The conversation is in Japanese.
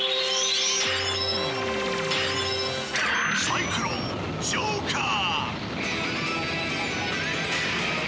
「サイクロンジョーカー」